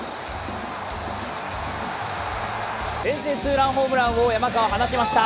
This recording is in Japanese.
先制ツーランホームランを山川、放ちました。